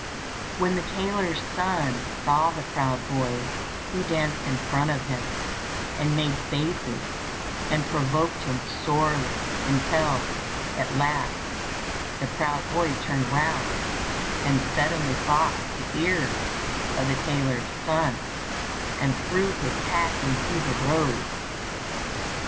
When the tailor's son saw the proud boy he danced in front of him, and made faces, and provoked him sorely, until, at last, the proud boy turned round and suddenly boxed the ears of the tailor's son, and threw his hat into the road.